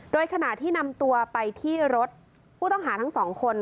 โดยขณะที่นำตัวไปที่รถผู้ต้องหาทั้งสองคน